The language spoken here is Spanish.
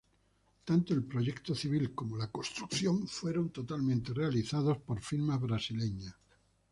Tanto el proyecto civil como la construcción fueron totalmente realizados por firmas brasileñas.